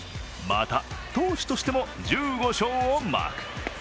また、投手としても１５勝をマーク。